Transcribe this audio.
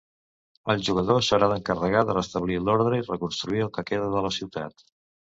El jugador s'haurà d'encarregar de restablir l'ordre i reconstruir el que queda de la ciutat.